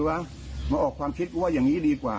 วะมาออกความคิดกูว่าอย่างนี้ดีกว่า